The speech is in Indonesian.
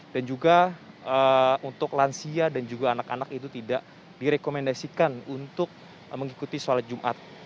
dan juga untuk lansia dan juga anak anak itu tidak direkomendasikan untuk mengikuti sholat jumat